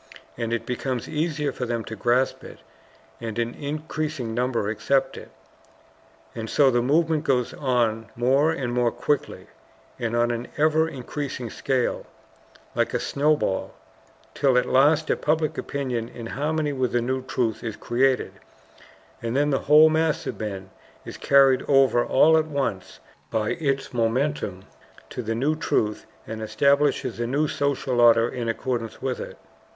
And it becomes easier for them to grasp it, and an increasing number accept it. And so the movement goes on more and more quickly, and on an ever increasing scale, like a snowball, till at last a public opinion in harmony with the new truth is created, and then the whole mass of men is carried over all at once by its momentum to the new truth and establishes a new social order in accordance with it.